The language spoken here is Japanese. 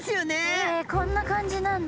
えこんな感じなんだ。